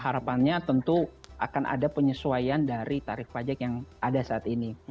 harapannya tentu akan ada penyesuaian dari tarif pajak yang ada saat ini